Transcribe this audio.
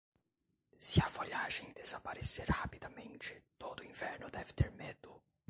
Se a folhagem desaparecer rapidamente, todo inverno deve ter medo.